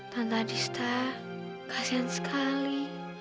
tante adista kasihan sekali